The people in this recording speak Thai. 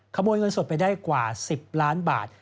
ขโมยเงินสดไปได้กว่า๑๐ล้านบาท